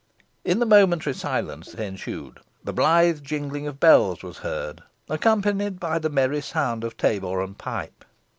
In the momentary silence that ensued the blithe jingling of bells was heard, accompanied by the merry sound of tabor and pipe.